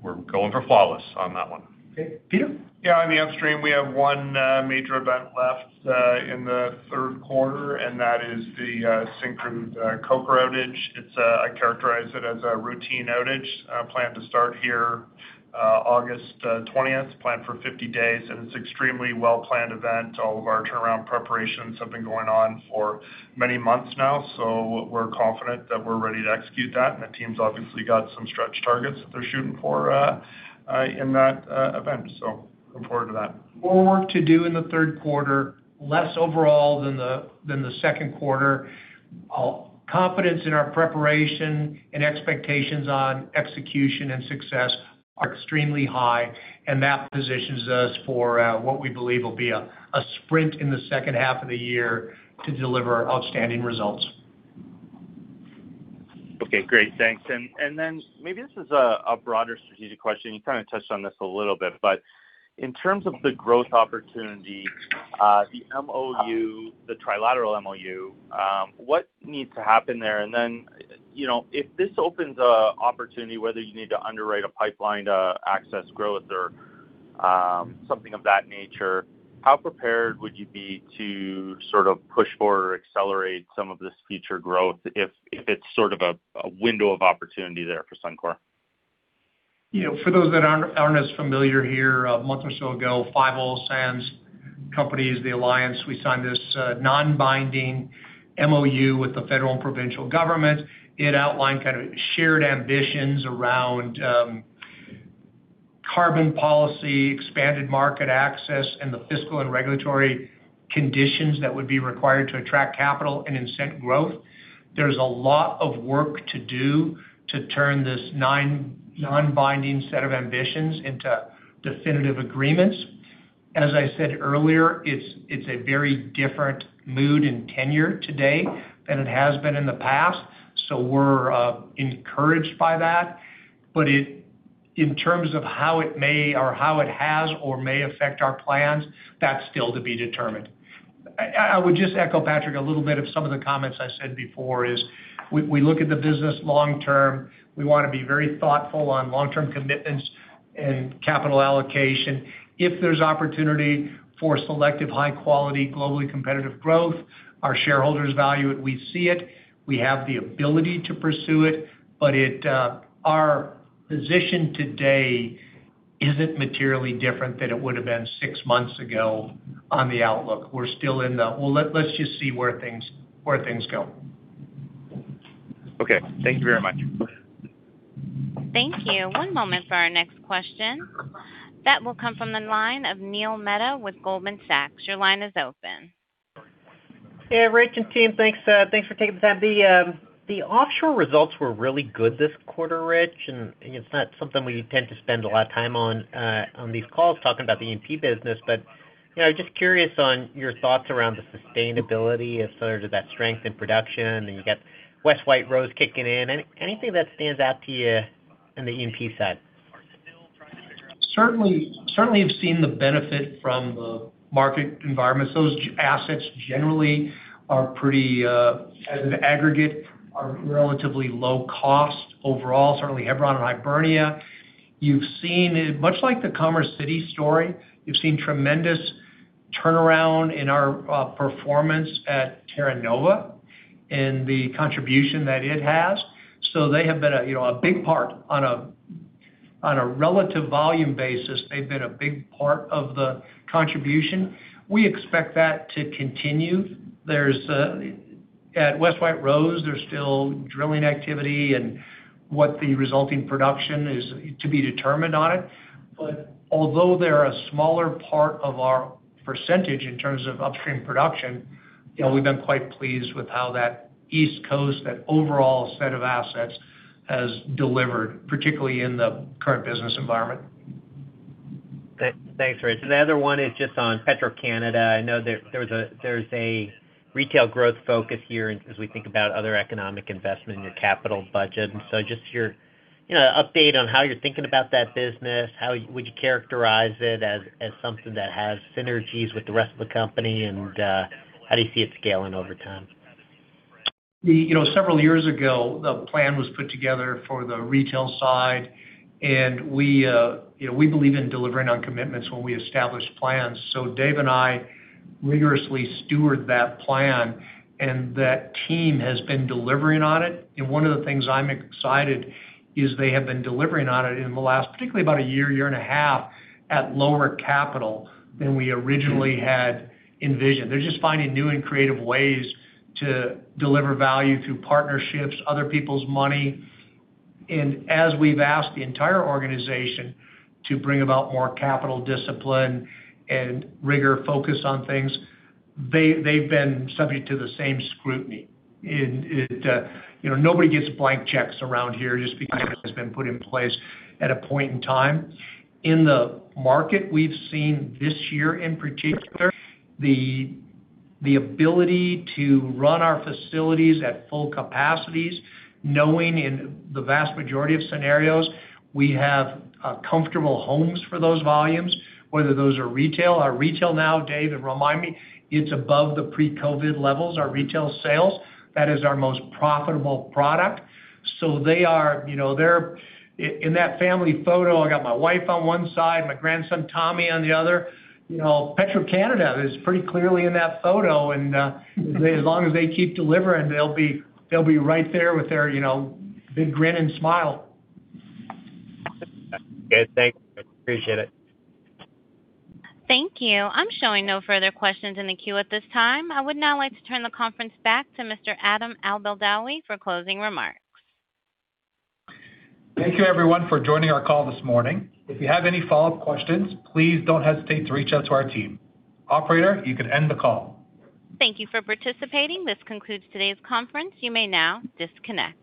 We're going for flawless on that one. Okay, Peter? Yeah, on the upstream, we have one major event left in the third quarter, and that is the Syncrude coke outage. I characterize it as a routine outage, planned to start here August 20th, planned for 50 days, and it's extremely well-planned event. All of our turnaround preparations have been going on for many months now. We're confident that we're ready to execute that, and the team's obviously got some stretch targets that they're shooting for in that event. Looking forward to that. More work to do in the third quarter, less overall than the second quarter. Confidence in our preparation and expectations on execution and success are extremely high, and that positions us for what we believe will be a sprint in the second half of the year to deliver outstanding results. Okay, great. Thanks. Maybe this is a broader strategic question. You kind of touched on this a little bit, but in terms of the growth opportunity, the MOU, the trilateral MOU, what needs to happen there? If this opens an opportunity, whether you need to underwrite a pipeline to access growth or something of that nature, how prepared would you be to sort of push for or accelerate some of this future growth if it's sort of a window of opportunity there for Suncor? For those that aren't as familiar here, a month or so ago, five oil sands companies, the alliance, we signed this non-binding MOU with the federal and provincial government. It outlined kind of shared ambitions around carbon policy, expanded market access, and the fiscal and regulatory conditions that would be required to attract capital and incent growth. There's a lot of work to do to turn this non-binding set of ambitions into definitive agreements. As I said earlier, it's a very different mood and tenure today than it has been in the past. We're encouraged by that. In terms of how it may or how it has or may affect our plans, that's still to be determined. I would just echo Patrick, a little bit of some of the comments I said before is we look at the business long-term. We want to be very thoughtful on long-term commitments and capital allocation. If there's opportunity for selective, high-quality, globally competitive growth, our shareholders value it, we see it, we have the ability to pursue it, but our position today isn't materially different than it would've been six months ago on the outlook. We're still in the, Well, let's just see where things go. Okay. Thank you very much. Thank you. One moment for our next question. That will come from the line of Neil Mehta with Goldman Sachs. Your line is open. Rich and team, thanks for taking the time. The offshore results were really good this quarter, Rich, and it's not something we tend to spend a lot of time on these calls talking about the E&P business. Just curious on your thoughts around the sustainability of sort of that strength in production, and you got West White Rose kicking in. Anything that stands out to you on the E&P side? Certainly have seen the benefit from the market environments. Those assets generally are pretty, as an aggregate, are relatively low cost overall, certainly Hebron and Hibernia. Much like the Commerce City story, you've seen tremendous turnaround in our performance at Terra Nova and the contribution that it has. They have been a big part on a relative volume basis. They've been a big part of the contribution. We expect that to continue. At West White Rose, there's still drilling activity and what the resulting production is to be determined on it. Although they're a smaller part of our percentage in terms of upstream production, we've been quite pleased with how that East Coast, that overall set of assets has delivered, particularly in the current business environment. Thanks, Rich. The other one is just on Petro-Canada. I know there's a retail growth focus here as we think about other economic investment in your capital budget. Just your update on how you're thinking about that business, would you characterize it as something that has synergies with the rest of the company? How do you see it scaling over time? Several years ago, the plan was put together for the retail side, and we believe in delivering on commitments when we establish plans. Dave and I rigorously steward that plan, and that team has been delivering on it. One of the things I'm excited is they have been delivering on it in the last particularly about a year and a half at lower capital than we originally had envisioned. They're just finding new and creative ways to deliver value through partnerships, other people's money. As we've asked the entire organization to bring about more capital discipline and rigor focus on things, they've been subject to the same scrutiny. Nobody gets blank checks around here just because it has been put in place at a point in time. In the market we've seen this year, in particular, the ability to run our facilities at full capacities, knowing in the vast majority of scenarios, we have comfortable homes for those volumes, whether those are retail. Our retail now, Dave, and remind me, it's above the pre-COVID levels, our retail sales. That is our most profitable product. So they're in that family photo. I got my wife on one side, my grandson, Tommy, on the other. Petro-Canada is pretty clearly in that photo, and as long as they keep delivering, they'll be right there with their big grin and smile. Okay. Thanks, Rich. Appreciate it. Thank you. I'm showing no further questions in the queue at this time. I would now like to turn the conference back to Mr. Adam Albeldawi for closing remarks. Thank you, everyone, for joining our call this morning. If you have any follow-up questions, please don't hesitate to reach out to our team. Operator, you can end the call. Thank you for participating. This concludes today's conference. You may now disconnect.